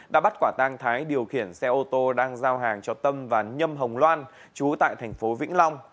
đã bắt quả tang thái điều khiển xe ô tô đang giao hàng cho tâm và nhâm hồng loan chú tại thành phố vĩnh long